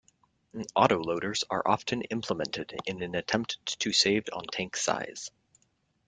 Autoloaders are often implemented in an attempt to save on tank size.